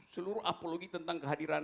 seluruh apologi tentang kehadiran